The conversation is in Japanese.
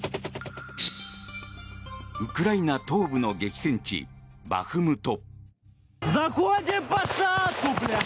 ウクライナ東部の激戦地バフムト。